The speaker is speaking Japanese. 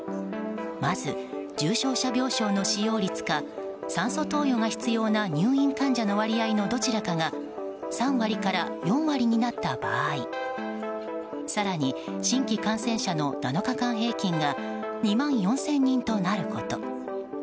まず重症者病床の使用率か酸素投与が必要な入院患者の割合のどちらかが３割から４割になった場合更に新規感染者の７日間平均が２万４０００人となること。